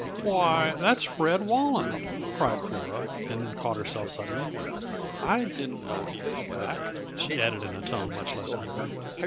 "Why, that's Fred Walland!" cried Flora, and then caught herself suddenly. "I didn't know he was back," she added, in a tone much less eager.